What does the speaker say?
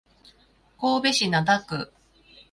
神戸市灘区